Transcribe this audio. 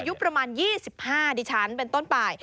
อายุประมาณ๒๕ดิฉันเป็นต้นไป